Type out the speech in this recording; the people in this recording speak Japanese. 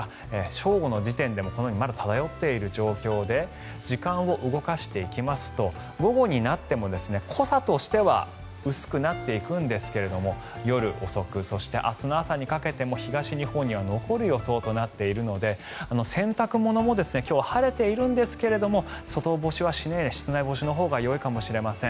正午の時点でもこのようにまだ漂っている状況で時間を動かしていきますと午後になっても濃さとしては薄くなっていくんですが夜遅くそして明日の朝にかけても東日本には残る予想となっているので洗濯物も今日は晴れているんですが外干しはしないで室内干しのほうがよいかもしれません。